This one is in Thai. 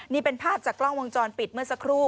นี่เป็นภาพจากกล้องวงจรปิดเมื่อสักครู่